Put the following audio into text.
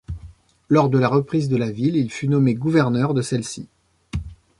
Lors de la reprise de la ville il fut nommé gouverneur de celle-ci.